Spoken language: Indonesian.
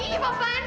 iya papaan yuk